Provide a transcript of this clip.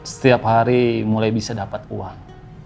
setiap hari mulai bisa dapat uang